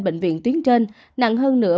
bệnh viện tuyến trên nặng hơn nữa